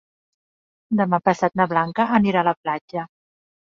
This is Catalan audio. Demà passat na Blanca anirà a la platja.